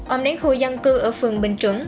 ông đến khu dân cư ở phường bình trưởng